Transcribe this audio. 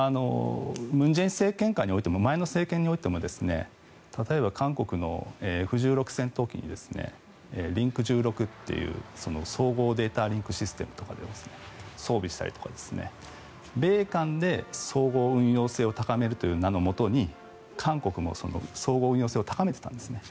文在寅政権下においても前の政権においても例えば、韓国のＦ６６戦闘機にリンク１６という総合データリンクシステムとか装備したりとか米韓で相互運用性を高めるという名のもとに韓国も相互運用性を高めていたんですね。